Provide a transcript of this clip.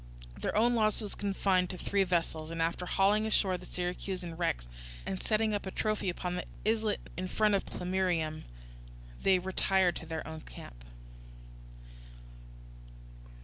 Their own loss was confined to three vessels; and after hauling ashore the Syracusan wrecks and setting up a trophy upon the islet in front of Plemmyrium, they retired to their own camp.